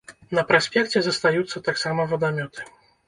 На праспекце застаюцца таксама вадамёты.